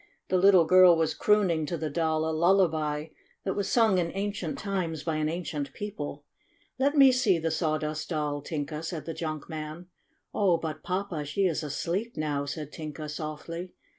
The little girl was crooning to the Doll a lullaby that was sung in ancient times by an ancient people. "Let me see the Sawdust Doll, Tinka!'' said the junk man. "Oh, but, Papa, she is asleep, now," said Tinka softly.